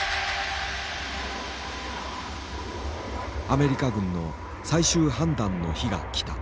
アメリカ軍の最終判断の日が来た。